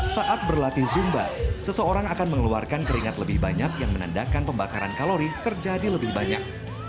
saat berlatih zumba seseorang akan mengeluarkan keringat lebih banyak yang menandakan pembakaran kalori terjadi lebih banyak